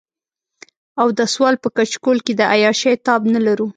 او د سوال په کچکول کې د عياشۍ تاب نه لرو.